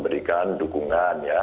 berikan dukungan ya